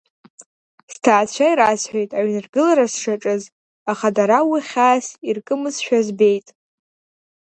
Сҭаацәа ирасҳәеит аҩны аргылара сшаҿыз, аха дара уи хьаас иркымызшәа збеит.